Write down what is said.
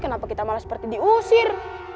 kenapa kita malah seperti diusir